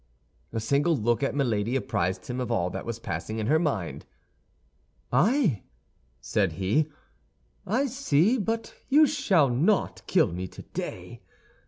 A single look at Milady apprised him of all that was passing in her mind. "Ay!" said he, "I see; but you shall not kill me today.